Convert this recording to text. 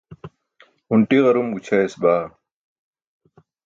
hunṭi ġar-um gućhayas baa